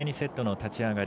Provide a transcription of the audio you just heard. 第２セットの立ち上がり